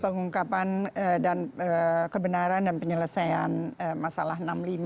pengungkapan dan kebenaran dan penyelesaian masalah enam puluh lima